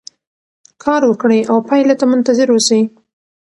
کار وکړئ او پایلې ته منتظر اوسئ.